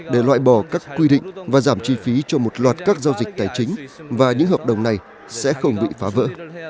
để loại bỏ các quy định và giảm chi phí cho một loạt các giao dịch tài chính và những hợp đồng này sẽ không bị phá vỡ